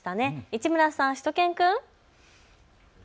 市村さん、しゅと犬くん。